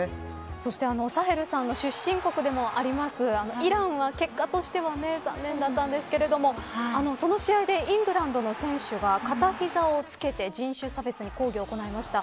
そして、サヘルさんの出身国でもありますイランが結果としては残念だったんですけれどもその試合でイングランドの選手は片膝をつけて人種差別に抗議を行いました。